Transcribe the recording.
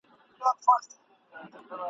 لکه شمع غوندي بل وي د دښمن پر زړه اور بل وي !.